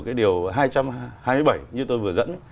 cái điều hai trăm hai mươi bảy như tôi vừa dẫn